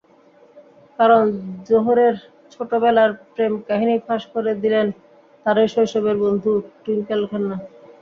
করণ জোহরের ছোটবেলার প্রেমকাহিনি ফাঁস করে দিলেন তাঁরই শৈশবের বন্ধু টুইঙ্কেল খান্না।